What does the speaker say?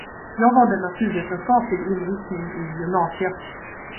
Jag valde naturvetenskaplig inriktning i gymnasiet.